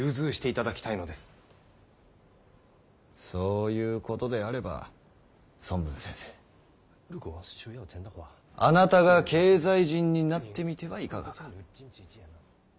そういうことであれば孫文先生あなたが経済人になってみてはいかがか？